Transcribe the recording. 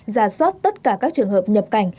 giả soát tất cả các trường hợp nhập cảnh